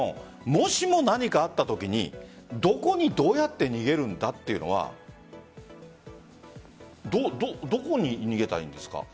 もしも何かあったときにどこにどうやって逃げるんだというのはどこに逃げたらいいんですか？